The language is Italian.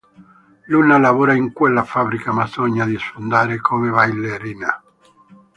Luna lavora in quella fabbrica, ma sogna di sfondare come ballerina.